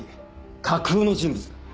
架空の人物だ。